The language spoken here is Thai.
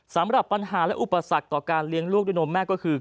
สำหรับปัญหาและอุปสรรคต่อการเลี้ยงลูกด้วยนมแม่ก็คือ